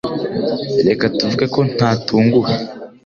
Reka tuvuge ko ntatunguwe